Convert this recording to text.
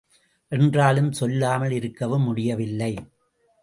என்றாலும் சொல்லாமல் இருக்கவும் முடியவில்லை.